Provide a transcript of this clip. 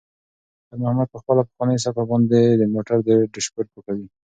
خیر محمد په خپله پخوانۍ صافه باندې د موټر ډشبورډ پاکوي.